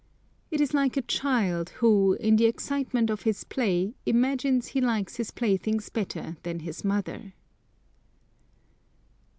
It is like a child, who, in the excitement of his play, imagines he likes his playthings better than his mother.